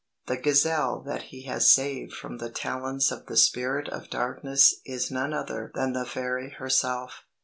The gazelle that he has saved from the talons of the spirit of darkness is none other than the fairy herself.